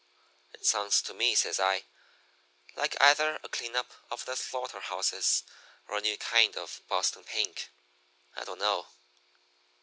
"'It sounds to me,' says I, 'like either a clean up of the slaughter houses or a new kind of Boston pink. I don't know.'